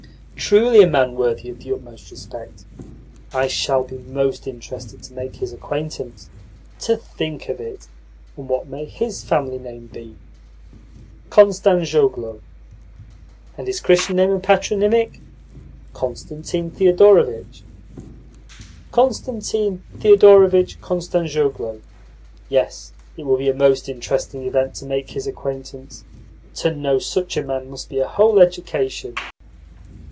"Truly a man worthy of the utmost respect! I shall be most interested to make his acquaintance. To think of it! And what may his family name be?" "Kostanzhoglo." "And his Christian name and patronymic?" "Constantine Thedorovitch." "Constantine Thedorovitch Kostanzhoglo. Yes, it will be a most interesting event to make his acquaintance. To know such a man must be a whole education."